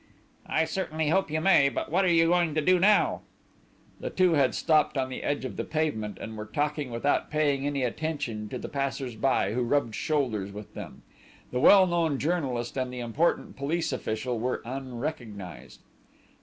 "I certainly hope you may. But what are you going to do now?" The two had stopped on the edge of the pavement, and were talking without paying any attention to the passers by who rubbed shoulders with them. The well known journalist and the important police official were unrecognised.